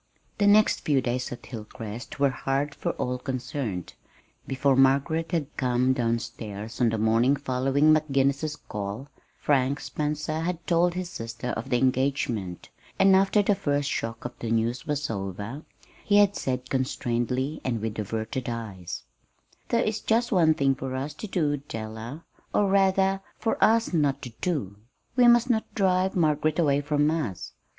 The next few days at Hilcrest were hard for all concerned. Before Margaret had come down stairs on the morning following McGinnis's call, Frank Spencer had told his sister of the engagement; and after the first shock of the news was over, he had said constrainedly, and with averted eyes: "There is just one thing for us to do, Della or rather, for us not to do. We must not drive Margaret away from us.